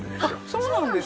そうなんです